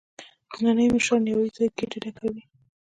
نني مشران یوازې ګېډه ډکوي.